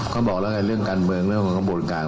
ก็บอกแล้วไงเรื่องการเมืองเรื่องของกระบวนการ